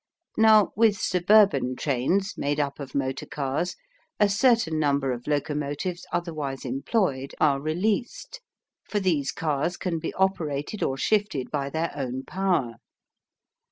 Now, with suburban trains made up of motor cars, a certain number of locomotives otherwise employed are released; for these cars can be operated or shifted by their own power.